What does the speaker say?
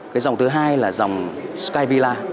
cái dòng thứ hai là dòng sky villa